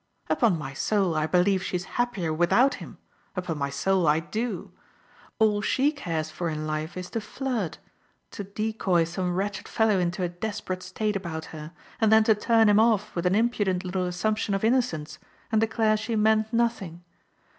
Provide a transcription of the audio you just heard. " Upon my soul I believe she's happier without him, upon my soul I do ! All she cares for in life is to flirt ; to decoy some wretched fellow into a desperate state about her, and then to turn him off with an impudent little assumption of inno cence, and declare she meant nothing.